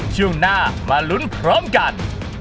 ช่วงหน้ามาลุ้นพร้อมกัน